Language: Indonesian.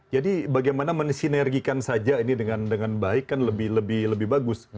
jadi bagaimana mensinergikan saja ini dengan baik kan lebih lebih bagus